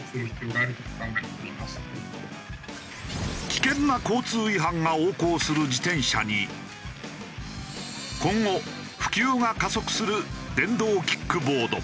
危険な交通違反が横行する自転車に今後普及が加速する電動キックボード。